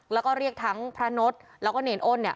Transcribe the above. แล้วก็เรียกทั้งพระนดแล้วก็เนรอ้นเนี่ย